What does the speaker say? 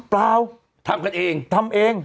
เปล่าทำกันเองทำเอง